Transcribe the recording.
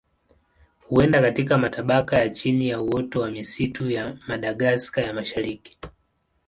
Huenda katika matabaka ya chini ya uoto wa misitu ya Madagaska ya Mashariki.